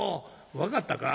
「分かったか？」。